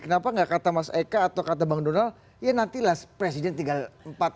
kenapa nggak kata mas eka atau kata bang donald ya nantilah presiden tinggal empat